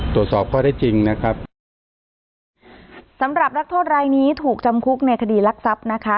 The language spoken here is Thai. ตรวจสอบข้อได้จริงนะครับสำหรับนักโทษรายนี้ถูกจำคุกในคดีรักทรัพย์นะคะ